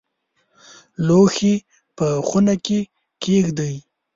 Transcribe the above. لوښي په خونه کې کښېږدئ